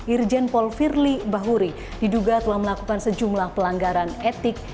irjen paul firly bahuri diduga telah melakukan sejumlah pelanggaran etik